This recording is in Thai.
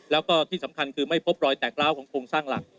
แล้วก็ที่สำคัญคือไม่พบรอยแตกร้าวของโครงสร้างหลัก